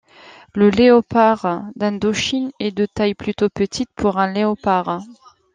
Le Léopard d'Indochine est de taille plutôt petite pour un Léopard.